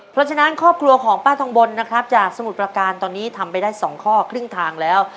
เพราะฉะนั้นครอบครัวของป้าทองบนนะครับจากสมุทรประการตอนนี้ทำไปได้๒ข้อครึ่งทางแล้ว